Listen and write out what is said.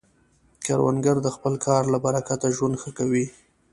کروندګر د خپل کار له برکته ژوند ښه کوي